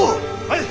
はい！